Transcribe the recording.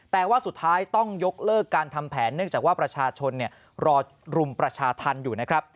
แต่ว่าสุดท้ายต้องยกเลิกการทำแผนเนื่องจากว่าประชาชนรอรุมประชาธรรมอยู่นะครับ